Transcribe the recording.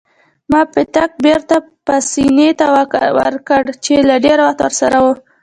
ما پتک بیرته پاسیني ته ورکړ چې له ډیر وخته ورسره وو.